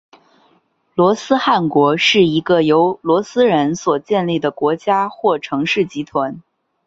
罗斯汗国是一个由罗斯人所建立的国家或城市集团。